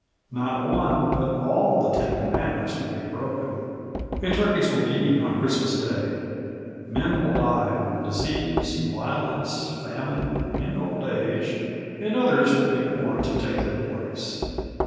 Not one but all the Ten Commandments will be broken, and turkeys will be eaten on Christmas Day. Men will die of disease, violence, famine and old age, and others will be born to take their place.